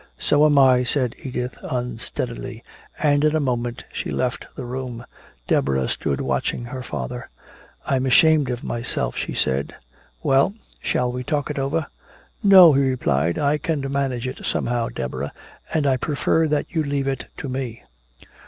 "So am I," said Edith unsteadily, and in a moment she left the room. Deborah stood watching her father. "I'm ashamed of myself," she said. "Well? Shall we talk it over?" "No," he replied. "I can manage it somehow, Deborah, and I prefer that you leave it to me."